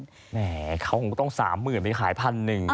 แหมเขาต้อง๓๐๐๐๐ไปขาย๑๐๐๐นะ